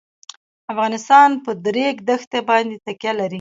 افغانستان په د ریګ دښتې باندې تکیه لري.